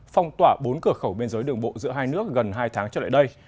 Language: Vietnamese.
phong tỏa bốn cửa khẩu biên giới đường bộ giữa hai nước gần hai tháng trở lại đây